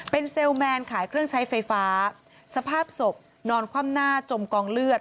เป็นเซลลแมนขายเครื่องใช้ไฟฟ้าสภาพศพนอนคว่ำหน้าจมกองเลือด